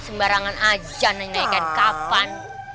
sembarangan aja nanya kain kavan